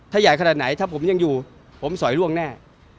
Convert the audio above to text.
ถ้าใหญ่ขนาดไหนถ้าผมยังอยู่ผมสอยล่วงแน่